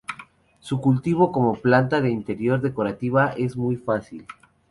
Su cultivo como planta de interior decorativa es muy fácil.